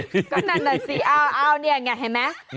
ก็นั่นแหละสิอ้าวเนี่ยเห็นไหม